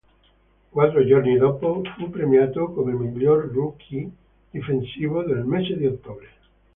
Quattro giorni dopo fu premiato come miglior rookie difensivo del mese di ottobre.